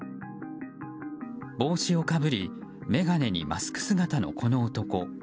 帽子をかぶり眼鏡にマスク姿のこの男。